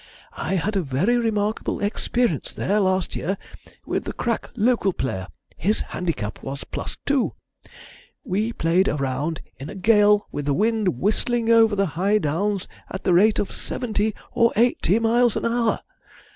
I had a very remarkable experience there, last year, with the crack local player his handicap was plus two. We played a round in a gale with the wind whistling over the high downs at the rate of seventy or eighty miles an hour.